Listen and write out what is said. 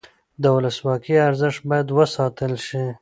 د ولسواکۍ ارزښت باید وساتل شي